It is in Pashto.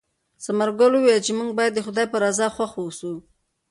ثمرګل وویل چې موږ باید د خدای په رضا خوښ اوسو.